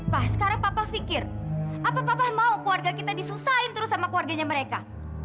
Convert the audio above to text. pak sekarang papa pikir apa papa mau keluarga kita disusain terus sama keluarganya mereka